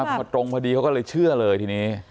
พอตรงพอดีเขาก็เลยเชื่อเลยทีนี้